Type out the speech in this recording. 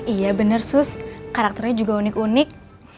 iya bener sus karakternya juga unik unik